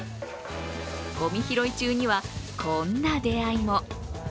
ごみ拾い中には、こんな出会いも。